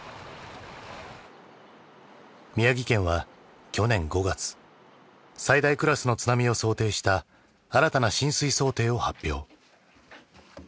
宮城県は去年５月最大クラスの津波を想定した新たな浸水想定を発表。